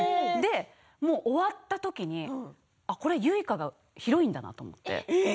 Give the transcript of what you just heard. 終わった時にこれはユイカがヒロインだなと思って。